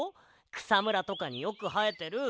くさむらとかによくはえてる。